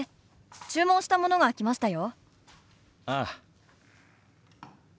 注文したものが来ましたよ。